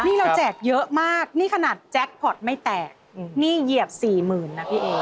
นี่เราแจกเยอะมากนี่ขนาดแจ็คพอร์ตไม่แตกนี่เหยียบสี่หมื่นนะพี่เอ๋